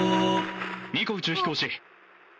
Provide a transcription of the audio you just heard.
「ニコ宇宙飛行士。